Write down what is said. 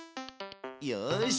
よし。